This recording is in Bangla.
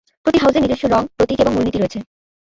প্রতি হাউজের নিজস্ব রং, প্রতীক এবং মূলনীতি রয়েছে।